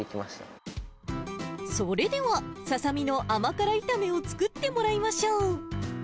それでは、ササミの甘辛炒めを作ってもらいましょう。